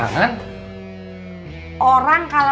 orang kalau datang tuh kasih salam